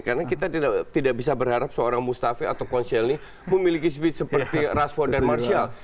karena kita tidak bisa berharap seorang mustafi atau konselny memiliki speed seperti rashford dan martial